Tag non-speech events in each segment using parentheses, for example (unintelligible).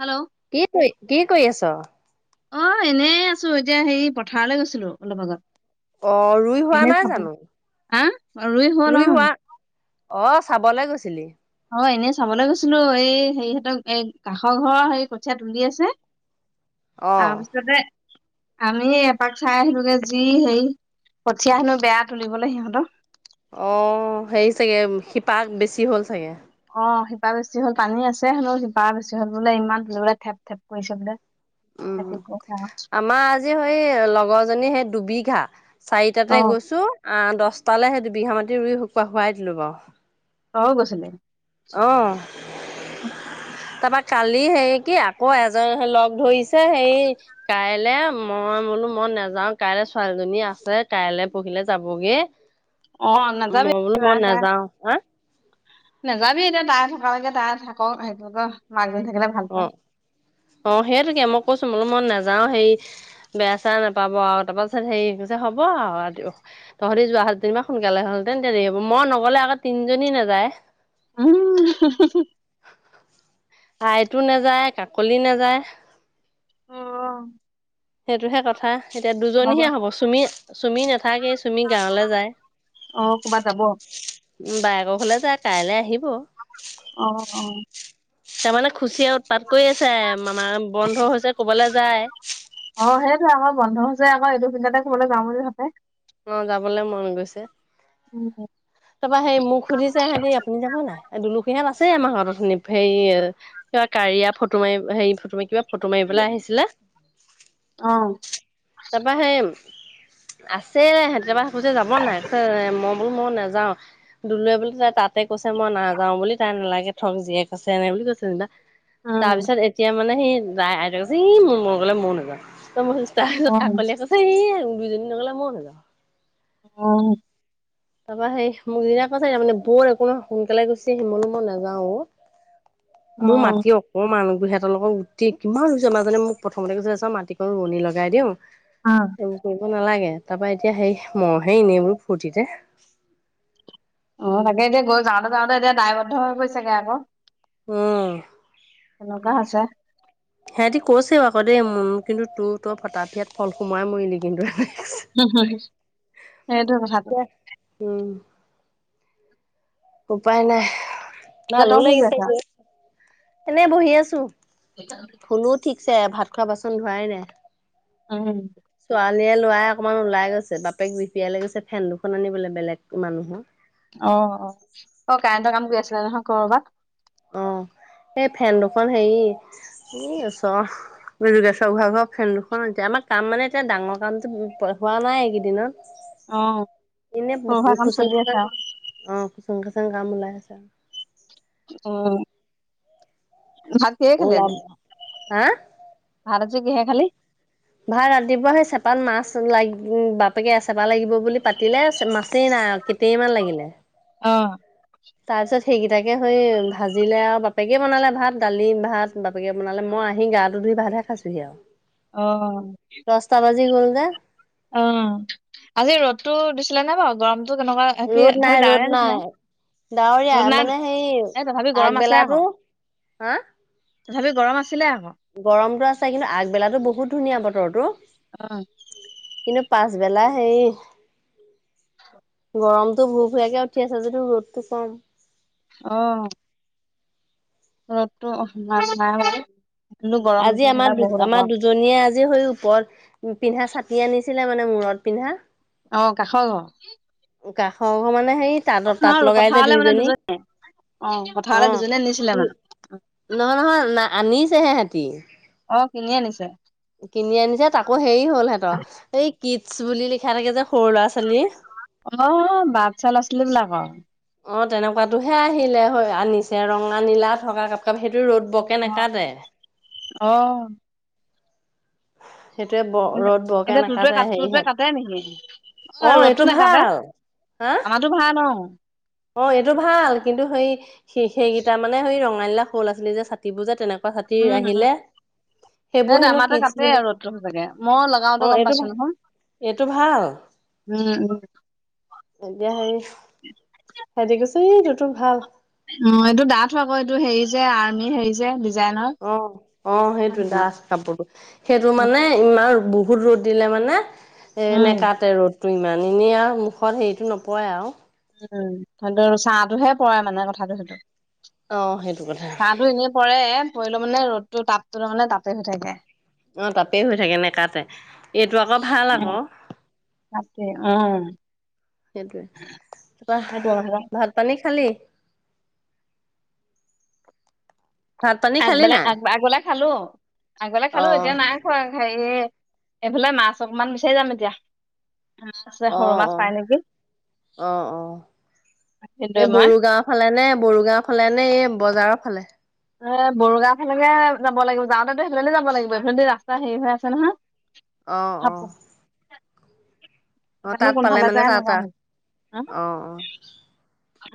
Hello কি কৰি কি কৰি আছ? অ' এনেই আছো এতিয়া হেৰি পথাৰলে গৈছিলো অলপ আগত। অ' ৰুই হোৱা এনে নাই চাব জানো হা অ, হ'ল অ ৰুই হোৱা? অ চাবলে গৈছিলি অ এনেই চাবলে গৈছিলো এই হেৰি হতক এই কাষৰ ঘৰৰ হেৰি কঠীয়া টুলি আছে (inaudible) তাৰ পাছতে আমি এপাক চাই আহিলোগে যি হেৰি কঠিয়া হেনো বেয়া তুলিবলে সিহঁতৰ অ হেৰি চাগে শিপা বেছি হ'ল চাগে অ শিপা বেছি হ'ল পানী আছে হেনো শিপা বেছি হল বোলে ইমান তুলিবলে ঠেপ ঠেপ কৰিছে বোলে উম হেতি কৈছে আও আমাৰ আজি সেই লগৰজনী সেই দুবিঘা অ চাৰিটাতে গৈছো অ দছটালে সেই দুবিঘা মাটি ৰুই শুকুৱা শুৱাই দিলো বাও তও গৈছিলি অ তাৰপৰা কালি সেই কি আকৌ এজন সেই লগ ধৰিছে সেই কাইলৈ মই বোলো মই নাযাও কাইলৈ ছোৱালীজনী আছে কাইলৈ পৰহিলে যাবগে অ নাযাবি মই বোলো মই নাযাও হা নেযাবি এতিয়া তাই থকা লৈকে তাই থাকক সেইটো মাক জনী থাকিলে ভাল অ পায় অ সেইটোকে মই কৈছো বোলো মই নাযাও হেৰি বেয়া চেয়া নাপাব আও তাৰপাছত সেই কৈছে হ'ব আও তহতি যোৱা হ'লে টেনিমা সোনকালে হলহেতেন এতিয়া দেৰি হব মই নগ'লে আকৌ তিনিজনী নাযায় উম আইটো নাযায় কাকলি নাযায় অ সেটোহে কথা এতিয়া দুজনীহে হ'ব চুমি চুমি নাথাকেই চুমি গাঁৱলে যায় অ', ক'ৰবাত যাব অ', উম বায়েকৰ ঘলে যায় কাইলে আহিব অ অ তাৰমানে খুচিয়ে উৎপাত কৰি আছে মামাৰ বন্ধ হৈছে কবালে যায় অ সেইটোৱে আমাৰ বন্ধ হৈছে আকৌ এইটো চিন্তাতে কৰবালৈ যাম বুলি ভাবে অ যাবলে মন গৈছে উম তাপা সেই মোক সুধিছে সেতি আপুনি যাব নাই দুলোকিসীহত আছে আমাৰ ঘৰত উঠোনি সেই কিবা কাৰিয়া ফটো মাৰি হেৰি ফটো মাৰি কিবা ফটো মাৰি পেলাই আহিছিলা অ', তাপা সেই সিহতি যাব খোজিছে যাব নাই মই বোলো মই নাযাও দুলুৱে বুলি তাই তাতে কৈছে মই নাযাওঁ বুলি তাই নালাগে থক যিয়ে কৈছে এনে বুলি কৈছে যেনিবা তাৰ উম, পিছত এতিয়া মানে সি (unintelligible) মোৰ মন গলে মইয়ো নাযাওঁ ত মই কৈছোঁ তাৰপিছত অ', কাকলিয়ে কৈছে দুইজনী নগলে মইয়ো নাযাওঁ অ তাপা সেই মোক যিদিনা কৈছে তাৰ মানে বৰ একো নহয় সোনকালে গুচি আহিম, বোলো মই নাযাওঁ অ মোৰ অ', মাতিয়ক অ মানুহবোৰহেতৰ লগত গুটি কিমান ৰুইছ মাজনীয়ে মোক প্ৰথমতে কৈছে চাওঁ মাটিকন ৰুৱনি লগাই দিওঁ উম। সেইবোৰ কৰিব নালাগে, তাৰপৰা এতিয়া সেই মইহে এনেইবোৰ ফূৰ্তিতে। অ তাকে এতিয়া গৈ যাওঁতে যাওঁতে এতিয়া দায়বদ্ধ হৈ গৈছেগে আক। উম। তেনকা হৈছে। হেতি কৈছে আক দেই মোক কিন্তু তোৰ তই ফটাফিয়াত ফল সোমোৱাই মৰিলি কিন্তু। (unintelligible) সেইটোৱে কথাটো। উম। উপায় নাই এতিয়া ভালো তই কি কৰি লাগিছে আছা? গৈ, এনেই বহি আছো। (inaudible) শুলো ঠিকছে ভাত খোৱা বাচন ধোৱাই নাই। উম। ছোৱালীয়ে লৰাই অকমান ওলাই গৈছে, বাপেক বিপিয়াই লৈ গৈছে ফেন দুখন আনিবলে বেলেগ মানুহৰ। অ অ অ কাৰেণ্টৰ কাম কৰি আছিলে নহয় কৰ'বাত? অ। এই ফেন দুখন হেৰি ই ওচৰ যোগেশৰ ঘৰ আগৰ ফেন দুখন আনিছে, আমাৰ কাম মানে এতিয়া ডাঙৰ কামটো হোৱা নাই এইকেইদিনত। অ', এনে সৰু সুৰা কাম খুচং চলি আছে খচাং আৰু খুচং খচাং কাম ওলাই আছে। অ ভাত কিহে খালী ওলাব আজি? হা ভাত আজি কিহে খালি? ভাত ৰাতিপুৱা সেই চেপাত মাছ লাগি বাপেকে চেপা লাগিব বুলি পাতিলে, মাছেই নাই। কেতেই মান লাগিলে। অ। তাৰ পিছত সেইকেইটাকে হৈ ভাজিলে আও বাপেকে বনালে ভাত দালি ভাত বাপ বাপেকে বনালে মই আহি গাটো ধুই ভাতহে খাইছোহি আও। অ। দছটা বাজি গ'ল যে। অ আজি ৰ'দতো দিছিলে নে বাও গৰমতটো কেনকা ৰ'দ নাই ৰ'দ নাই, ডাৱৰীয়া ৰ'দ নাই মানে সেই এ তথাপি গৰম আগবেলাটো হা? তথাপিও গৰম আছিলে আক। গৰমটো আছে কিন্তু আগবেলাতো বহুত ধুনীয়া বতৰতো। অ। কিন্তু পাছবেলা হেই গৰমতটো ভু ভুয়াকে উঠি আছে যদিও ৰ'দটো কম। অ। ৰদটো (unintelligible) আজি আমাৰ দু আকৌ আমাৰ দুজনীয়ে আজি হৈ ওপৰত উ পিন্ধা চাতি আনিছিলে মানে মূৰত পিন্ধা অ কাষৰ ঘৰৰ? কাষৰ ঘৰ মানে হেই তাঁ নহয় তাঁত আৰু লগাই যে পথাৰলে মানে দুইজনী দুজনী অ অ পথাৰলে (inaudible) দুজনীয়ে নিছিলে নহয় মানে নহয় ন আনিছেহে হেতী। অ কিনি আনিছে? কিনি আনিছে তাকো হেৰি হল ইহঁতৰ, এই কিডছ বুলি লিখা থাকে যে, সৰু ল'ৰা-ছোৱালী অ', অ', বাটচা ল'ৰা-ছোৱালী বিলাকৰ। অ', তেনেকুৱাতোহে আহিলে হয়, আনিছে, ৰঙা, নীলা থকা কাপ, কাপ সেইটো ৰ'দ বক এ নেকাতে। অ'। সেইটোৱে ব এত ৰ'দ বৰকে এতিয়া, তোৰটোৱে নাকাটে কাত তোৰটোৱে হেৰিহঁত কাটে নেকি? অ', এইটো ৰ'দতো নাকাটে, ভাল হা আমাৰোটো ভাল অ'। অ', এইটো ভাল, কিন্তু সেই, সেই সেইকেইটা মানে, সেই ৰঙা নীলা, সৰু ল'ৰা-ছোৱালী যে, ছাতিবোৰ যে, তেনেকুৱা তহঁতি উম আহিলে সেইবোৰ সেইটো, হেনো আমাৰটোৱে কিডছ কাটে, বুলি আৰু ৰ'দটো সঁচাকে, মই অ লগাওতে গম এইটো পাইছো নহয়। এইটো ভাল। উম। এতিয়া হেৰি ভাইটি কৈছে, এই তোৰটো ভাল। অ', এইটো ডাঠ হয় আকৌ, এইটো হেৰি যে, আৰ্মি হেৰি যে। ডিজাইনৰ। অ', অ', হয় সেইটোৱে হয় ডাঠ। কাপোৰটো, সেইটো উম মানে, ইমান বহুত ৰ'দ দিলে মানে এ উম নেকাতে ৰ'দ। তো ইমান, এনেই আৰু মুখত হেৰিটো নপৰে আৰু। উম, সেইটো ছাটোহে পৰে মানে, কথাটো সেইটো। অ সেইটো কথা ছাটো এনে পৰে, পৰিলে মানে ৰ'দটো, তাপটো মানে তাপেই হয় থাকে। অ', তাপেই হৈ থাকে নেকাতে, এইটো আকৌ ভাল উম আকৌ। তাকে, উম। সেইটোৱে, কোৱা, সেইটো কথা ভাত-পানী খালি? ভাত পানী খালি আগবেলা, নাই আগ আগবেলা খালো, আগবালে অ খালো, এতিয়া নাই। খোৱা, হেৰি এইফালে, মাছ অকমান বিচাৰি যাম এতিয়া। উম, পিছে অ অ সৰু মাছ পাই নেকি? এ ভিনদেউ মই বড়ো গাওঁ ফালে নে, বড়ো গাওঁ ফালে নে, এই বজাৰৰ ফালে। এ বড়ো গাওঁ ফালেগে যাব লাগিব, যাওঁতেটো সেইফালে যাব লাগিব, এইফালেদি ৰাস্তা হেৰি হৈ আছে নহয়। অ', খাপ অ'। অ জানো তাত পালে কোনফালে মানে যায়, তাত নাজানো। অ অ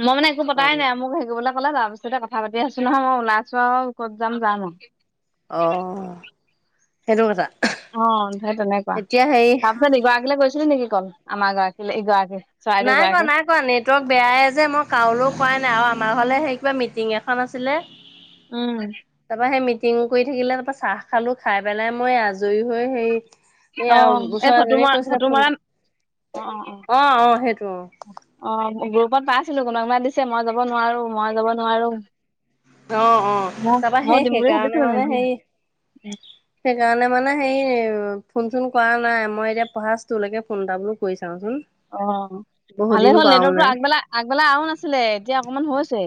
মই মানে একো অ পতাই নাই, মোক হেৰি কৰিবলৈ ইফালে তাৰপিছতে কথা পাতি আছো নহয়, ওলাইছো আৰু ক'ত যাম, যাম আৰু। অ'। সেইটো কথা। অ', হেই তেনেকুৱা, এতিয়া হেৰি তাৰপিছত ইগৰাকীলৈ গৈছিলো নেকি কল, আমাৰ গৰাকী, ইগৰাকী। চৰাইদেউ নাই কৰা গৰাকী নাই কোৱা নেটৱৰ্ক বেয়াই যে মই কাৰোলৈ কৰাই নাই আৰু আমাৰ ঘৰলে হেই কিবা মিটিং এখন আছিলে উম'। তাপা হেই মিটিং কৰি থাকিলে, তাপা চাহ খালো খাই পেলাই মই আজৰি হৈ হেৰি অ এয়া এই ওচৰৰ ফটো এজীনিয়ে মৰা কৈছিলে ফটো ফোন, মৰা অ', অ অ অ', সেইটো অ'। অ', গ্ৰুপত পাইছিলো কোনোবা কোনোবা দিছে মই যাব নোৱাৰো, মই যাব নোৱাৰো। অ অ অ ম, তাৰপৰা মই সেই দিম বুলি সেইকাৰণে ভাবিছিলোঁ, মানে নিদিলোঁ। হেৰি সেইকাৰণে মানে সেই ফোন চোন কৰা নাই। মই এতিয়া পৰাছটোলৈকে ফোন এটা বোলো কৰি চাওঁচোন। অ, বহুত ভালে দিন হ'ল। কৰাও নেটৱৰ্কটো নাই আগবেলা- আগবেলা আৰু নাছিলে। এতিয়া অকণমান হৈছে।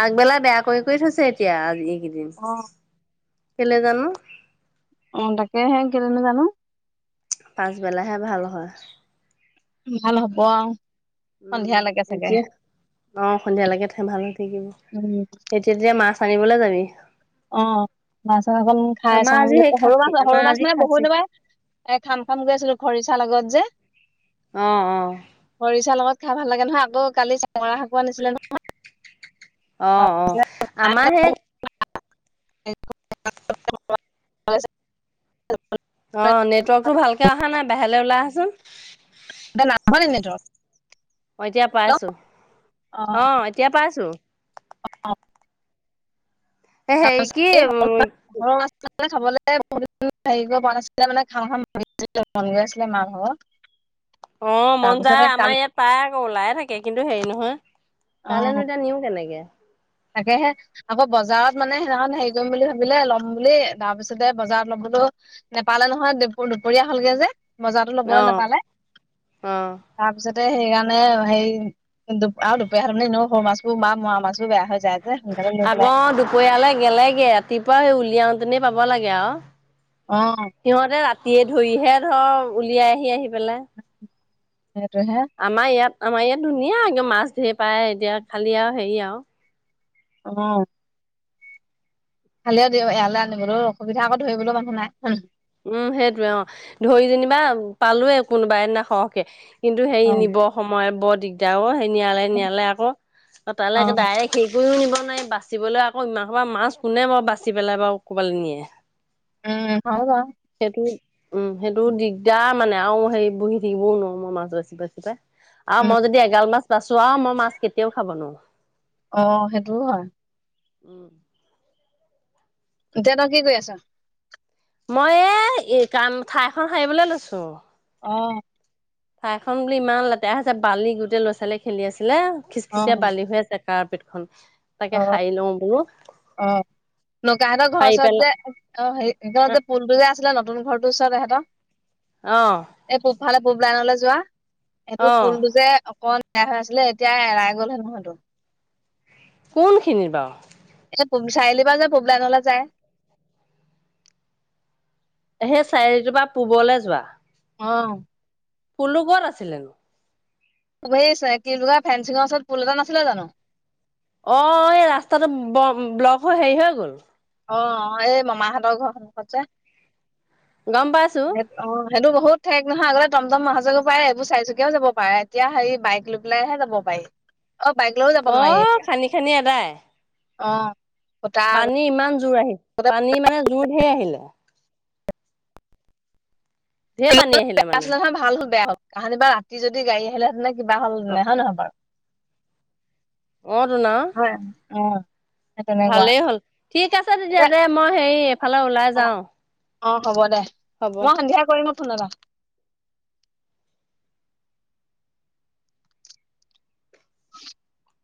আগবেলা বেয়া কৰি- কৰি থৈছে এতিয়া। আগবেলা এইকেইদিন, অ', কেলে জানো? অ তাকে সে (unintelligible) জানো পাছবেলাহে ভাল হয়। ভাল হ'ব আও উম এতিয়া অ সন্ধিয়া লৈকে থে ভাল হৈ থাকিব। উম, তেতিয়া মাছ আনিবলে যাবি অ মাছ এখন খাই আমাৰ চাওঁ আজি বুলি সেই সৰু খাচী মাছ সৰু আমাৰ মাছ আজি মানে বহুত খাচী দিন পাই এ খাম খাম কৈ আছিলো খৰিচাৰ লগত যে অ অ খৰিচা লগত খাই ভাল লাগে নহয় আকৌ কালি চেঙমৰা শাকো আনিছিলে ন অ অ আমাৰ সে- অ নেটৱৰ্কটো ভালকে অহা নাই বাহিৰেলে ওলাই আহাচোন এ নাপোৱা নি নেটৱৰ্ক অ এতিয়া পাই আছো অ এতিয়া পাইছো অ এ তাৰ হেৰি কি পাছত উম (unintelligible) সৰু মাছ (unintelligible) কাৰিকৰ বনাইছিলে মানে খাম খাম মন গৈছিলে মা ভাগ অ মন যায় আমাৰ ইয়াত পায় আকৌ ওলাই থাকে কিন্তু হেৰি নহয় অ'। তালেনো এতিয়া নিওঁ কেনেকে তাকেহে আকৌ বজাৰত মানে সেইদিনাখন হেৰি কৰিম বুলি ভাব- দিলে ল'ম বুলি তাৰপিছতে বজাৰত লবলো নপালে নহয় দেপু দুপৰীয়া হলগে যে বজাৰত ল'বলে অ নাপালে অ তাৰপিছতে সেইকাৰণে হেৰি দু আৰু দুপৰীয়া হলেমানে এনেও সৰু মাছবোৰ মা মৰা মাছো বেয়া হৈ যায় যে সোনকালে লৈ আকৌ পেলাই দুপৰীয়ালে গেলেগে ৰাতিপুৱা সেই উলিয়াওতেনে পাব লাগে আও অ সিহঁতে ৰাতিয়ে ধৰিহে ধৰ উলিয়াই আহি আহি পেলাই, সেতোহে আমাৰ ইয়াত আমাৰ ইয়াত ধুনীয়া একদম মাছ ধেই পায় এতিয়া খালী আও হেৰি আও অ ভালেও দিও এয়ালে আনিবলো অসুবিধা আকৌ ধৰিবলো মানুহ নাই হুহ উম সেইটোৱে অ ধৰি যেনিবা পালোৱে কোনোবা এদিনা সৰহকে কিন্তু সেই অ নিব সময় বৰ দিগদাৰ অ সেই নিয়ালে নিয়ালে আকৌ অ তালৈকে ডাইৰেক্ট সে কৰিও নিব নোৱাৰি বাচিবলৈ আকৌ ইমান সোপা মাছ কোনে বাৰু বাচি পেলাই বাৰু ক'ৰবালৈ নিয়ে। উম হয় বাও সেইটো উম সেইটো দিগদাৰ মানে আৰু হেৰি বহি থাকিবও নোৱাৰো আৰু মই মাজত গৈ পেলাই আৰু উম মই যদি এগাল মাছ বাছো আৰু মই মাছ কেতিয়াও খাব নোৱাৰো। অ সেইটোও হয়। উম এতিয়া তই কি কৰি আছ? মই এই এই কাম ঠাইখন সাৰিবলৈ লৈছো। অ ঠাই খন বুলি ইমান লেতেৰা হৈছে বালি গোটেই ল'ৰা ছোৱালীয়ে খেলি আছিলে অ খিচখিচিয়া বালি হৈ আছে। কাৰ্পেটখন তাকে অ সাৰি লওঁ বোলো অ নোকাহঁতৰ ঘৰ সাৰি ওচৰত পেলাই যে অ সেইটোৱে এইকনত যে পুলটো যে আছিলে নতুন ঘৰটো ওচৰতে সেত অ এই পূব ফালে পূব লাইনলে যোৱা সেইটো অ', পুলটো যে অকন বেয়া হৈ আছিলে এতিয়া এৰাই গল হেনো সেইটো কোনখিনিত বাও এ চাৰি আলি পৰা যে পূবলাইনলে যায়। সেই চাৰিআলি পৰা পূবলে যোৱা অ পুলটো কত আছিলেনো এই কি বুলি কয় ফেঞ্চিঙৰ ওচৰত পুল এটা নাছিলে জানো অ এই ৰাস্তাটো ব্লক হৈ হেৰি হৈ গ'ল অ এই মামাহঁতৰ ঘৰ সন্মুখত যে গম পাইছো সেই অ সেইটো বহু ঠেক নহয় আগতে টম টম আহাঁ যোৱা কৰিব পাৰে এইবোৰ চাৰি চুকীয়াও যাব পাৰে এতিয়া হেৰি বাইক লৈ লৈহে যাব পাৰি (unintelligible) অ বাইক লৈ অ খান্দি খান্দি এদাই অ ফুটা আগত পানী ইমান জোৰ আহিল পানী মানে জোৰ ঢেৰ আহিলে ঢেৰ পানী বে আহিলে মানে আছিল নহয় ভাল হক বেয়া হ'ক কাহানীবা ৰাতি যদি গাড়ী আহিলেঁ হেতেনে কিবা হল হেঁতেন অ', হয় নহয় বাৰু অ তুন আও হয় অ ভালেই হ'ল ঠিক আছে তেতিয়া এতিয়া দে মই হেৰী এফালে ওলাই অ', যাও অ হ'ব দে মই সন্ধিয়া কৰিম ফোন এটা (inaudible)